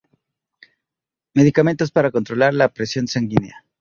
Medicamentos para controlar la presión sanguínea.